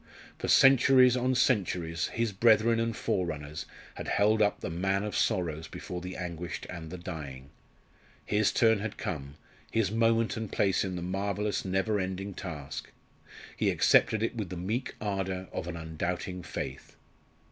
For centuries on centuries his brethren and forerunners had held up the Man of Sorrows before the anguished and the dying; his turn had come, his moment and place in the marvellous never ending task; he accepted it with the meek ardour of an undoubting faith.